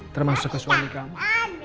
termasuk ke suami kamu